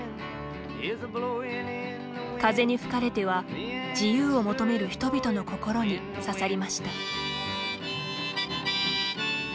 「風に吹かれて」は、自由を求める人々の心に刺さりました。